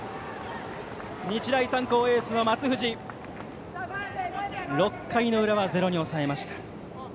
日大三高、エースの松藤６回の裏はゼロに抑えました。